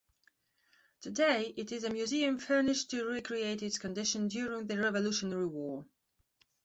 Today, it is a museum furnished to recreate its condition during the Revolutionary War.